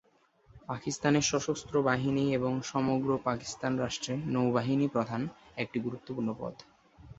পাকিস্তানের সশস্ত্র বাহিনী এবং সমগ্র পাকিস্তান রাষ্ট্রে নৌবাহিনী প্রধান একটি গুরুত্বপূর্ণ পদ।